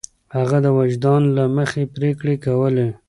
هغه د وجدان له مخې پرېکړې کولې.